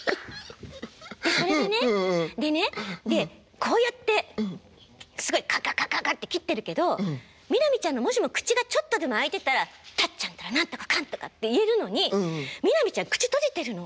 それはねでねこうやってすごいカッカッカッカッカッて切ってるけど南ちゃんのもしも口がちょっとでも開いてたら「タッちゃんったら何とかかんとか」って言えるのに南ちゃん口閉じてるの。